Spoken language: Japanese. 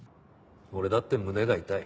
俺だって胸が痛い。